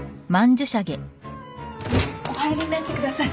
お入りになってください。